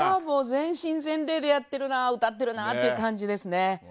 もう全身全霊でやってるな歌ってるなっていう感じですね。